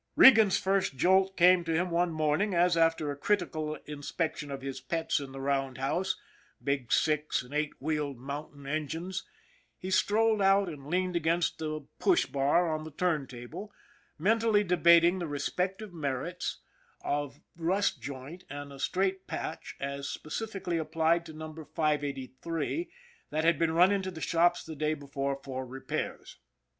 Regan's first jolt came to him one morning as, after a critical inspection of his pets in the round house big six and eight wheeled mountain engines he strolled out and leaned against the push bar on the turntable, mentally debating the respective merits of a 70 ON THE IRON AT BIG CLOUD rust joint and a straight patch as specifically applied to number 583 that had been run into the shops the day before for repairs.